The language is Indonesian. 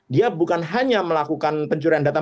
dia bukan hanya melakukan pencurian data